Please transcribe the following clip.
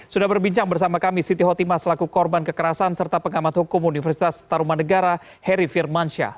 sudah berbincang bersama kami siti hotimah selaku korban kekerasan serta pengamat hukum universitas taruman negara heri firmansyah